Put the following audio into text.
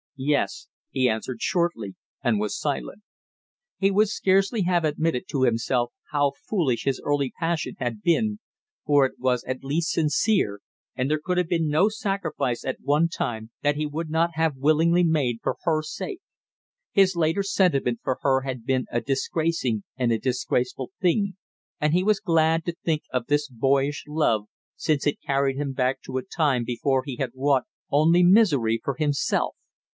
"Yes," he answered shortly, and was silent. He would scarcely have admitted to himself how foolish his early passion had been, for it was at least sincere and there could have been no sacrifice, at one time, that he would not have willingly made for her sake. His later sentiment for her had been a disgracing and a disgraceful thing, and he was glad to think of this boyish love, since it carried him back to a time before he had wrought only misery for himself.